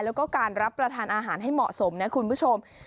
แล้วก็การรับประทานอาหารให้เหมาะสมนะคุณผู้ชม